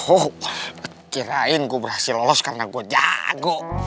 oh kirain gue berhasil lolos karena gue jago